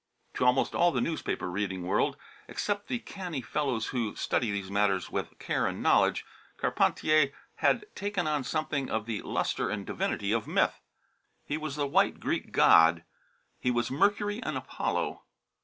To almost all the newspaper reading world except the canny fellows who study these matters with care and knowledge Carpentier had taken on something of the lustre and divinity of myth. He was the white Greek god, he was Mercury and Apollo.